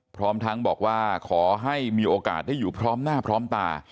พร้อมทั้งบอกว่าขอให้มีโอกาสได้อยู่พร้อมหน้าพร้อมตา